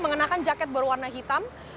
mengenakan jaket berwarna hitam